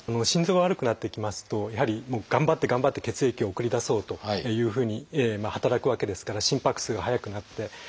心臓が悪くなっていきますとやはり頑張って頑張って血液を送り出そうというふうに働くわけですから心拍数が速くなって。